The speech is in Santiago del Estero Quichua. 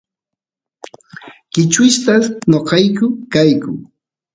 kichwistas noqayku kayku